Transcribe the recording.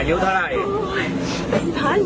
อายุเท่าไหร่